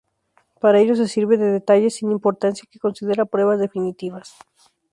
Para ello se sirve de detalles sin importancia que considera pruebas definitivas.